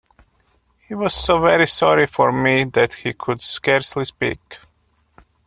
He was so very sorry for me that he could scarcely speak.